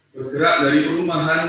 bergerak dari rumahan